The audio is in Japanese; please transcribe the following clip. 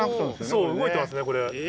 そう動いてますねこれ。